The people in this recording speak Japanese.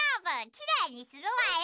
きれいにするわよ。